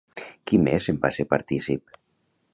Qui més en va ser partícip?